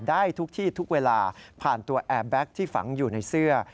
ได้ทุกที่ทุกเวลาผ่านตัวแอร์แบ็คที่ฝังอยู่ในเสื้อ